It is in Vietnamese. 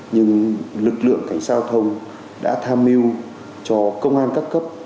nhưng lực lượng cảnh sát giao thông đã tham mưu cho công an các cấp